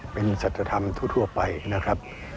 เป็นสัจธรรมทั่วไปนะครับ